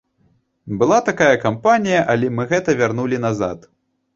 Была такая кампанія, але мы гэта вярнулі назад.